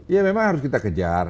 ya memang harus kita kejar